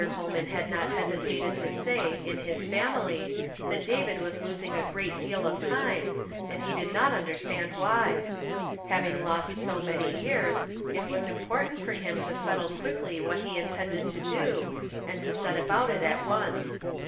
Holman had not hesitated to say in his family that David was losing a great deal of time, and he did not understand why. Having lost so many years, it was important for him to settle quickly what ho int<'iided to do, and to set about it at once.